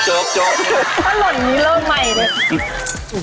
ถ้าหล่นนี้เริ่มใหม่เลย